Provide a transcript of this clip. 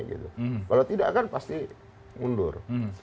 kalau tidak kan pasti mundur